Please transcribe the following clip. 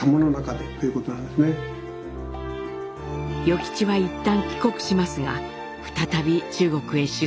与吉は一旦帰国しますが再び中国へ出征。